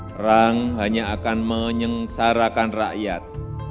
perang hanya akan menyengsarakan rakyat